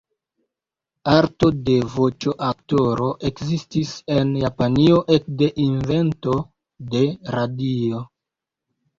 Arto de voĉoaktoro ekzistis en Japanio ekde invento de radio.